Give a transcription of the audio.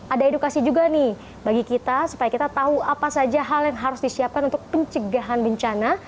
ada edukasi juga nih bagi kita supaya kita tahu apa saja hal yang harus disiapkan untuk pencegahan bencana